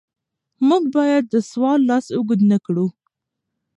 موږ باید د سوال لاس اوږد نکړو.